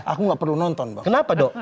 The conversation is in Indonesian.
aku nggak perlu nonton kenapa dok